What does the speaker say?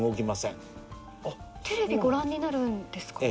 テレビご覧になるんですか？